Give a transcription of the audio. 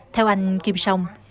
theo anh kim sông